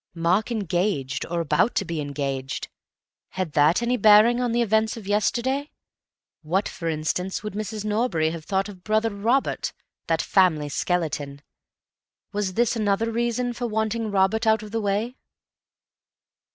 Mark engaged, or about to be engaged! Had that any bearing on the events of yesterday? What, for instance, would Mrs. Norbury have thought of brother Robert, that family skeleton? Was this another reason for wanting brother Robert out of the way?